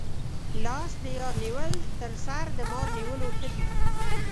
لاس د یار نیول تر سر د مار نیولو ښه دي.